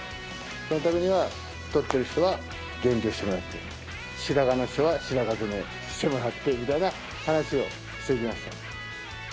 そのためには、太っている人は減量してもらって、白髪の人は白髪染めしてもらってみたいな話をしてきました。